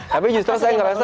tapi justru saya ngerasa